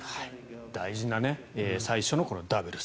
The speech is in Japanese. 大事な最初のダブルス。